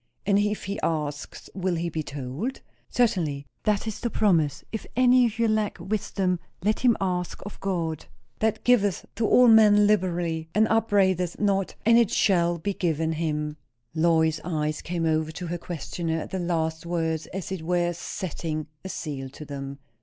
"And if he asks, will he be told?" "Certainly. That is the promise. 'If any of you lack wisdom, let him ask of God, that giveth to all men liberally, and upbraideth not; and it shall be given him.'" Lois's eyes came over to her questioner at the last words, as it were, setting a seal to them.